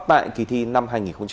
tại kỳ thi năm hai nghìn một mươi tám